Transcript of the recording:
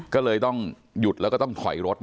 ก็เลยต้องหยุดแล้วก็ต้องถอยรถ